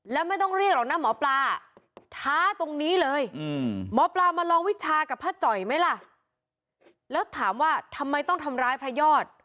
และไม่ต้องเรียกหรอกนะหมอปลาท้าตรงนี้เลย